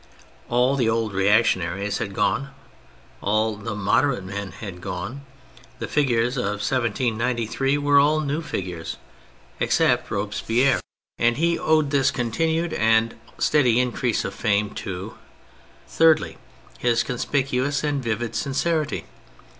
All the old reactionaries had gone, all the moderate men had gone; the figures of 1793 were all new figures — except Robes THE PHASES 133 pierre ; and he owed this continued and steady increase of fame to :— Thirdly, his conspicuous and vivid sin cerity.